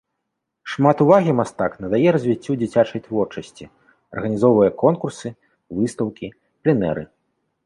Шмат увагі мастак надае развіццю дзіцячай творчасці, арганізоўвае конкурсы, выстаўкі, пленэры.